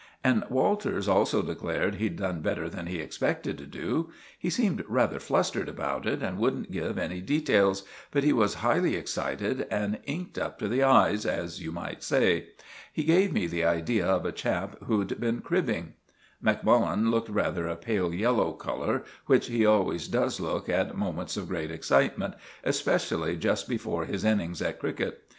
And Walters also declared he'd done better than he expected to do. He seemed rather flustered about it, and wouldn't give any details; but he was highly excited, and inked up to the eyes, as you might say. He gave me the idea of a chap who'd been cribbing. Macmullen looked rather a pale yellow colour, which he always does look at moments of great excitement, especially just before his innings at cricket.